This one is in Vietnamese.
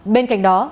bên cạnh đó